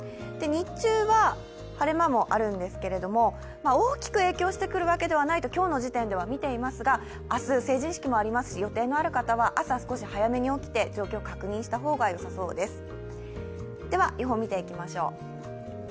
日中は晴れ間もあるんですけれども大きく影響してくるわけではないと今日の時点では見ていますが明日、成人式もありますし、予定のある方は朝、少し早めに起きて状況を確認した方がよさそうです。